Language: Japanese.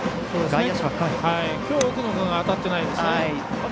きょう奥野君当たっていないですね。